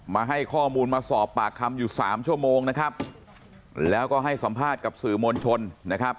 มาให้ข้อมูลมาสอบปากคำอยู่สามชั่วโมงนะครับแล้วก็ให้สัมภาษณ์กับสื่อมวลชนนะครับ